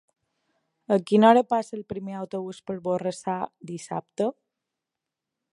A quina hora passa el primer autobús per Borrassà dissabte?